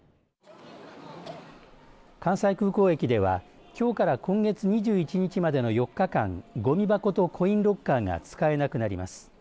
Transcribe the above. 関西空港駅では、きょうから今月２１日までの４日間ごみ箱とコインロッカーが使えなくなります。